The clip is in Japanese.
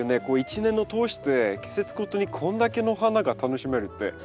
こう一年を通して季節ごとにこんだけの花が楽しめるって。